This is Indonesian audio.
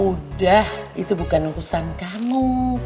udah itu bukan urusan kamu